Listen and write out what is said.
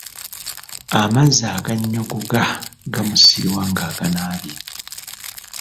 Amazzi aganyogoga gamusiiwa ng'aganaabye.